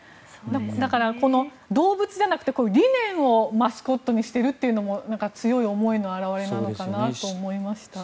だから、この動物じゃなくて理念をマスコットにしているっていうのもなんか強い思いの表れなのかなと思いました。